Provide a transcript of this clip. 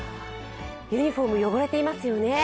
ユニフォーム汚れていますよね。